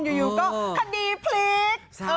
อยู่ก็คดีพลิก